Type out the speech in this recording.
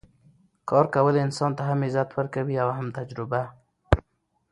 کار کول انسان ته هم عزت ورکوي او هم تجربه